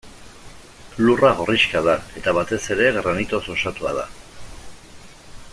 Lurra gorrixka da, eta batez ere, granitoz osatua da.